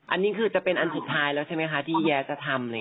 อันนี้คือจะเป็นอันสุดท้ายแล้วใช่ไหมคะที่แย้จะทำ